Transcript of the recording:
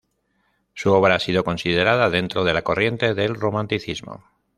Su obra ha sido considerada dentro de la corriente del Romanticismo.